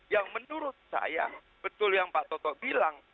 yang menurut saya betul yang pak toto bilang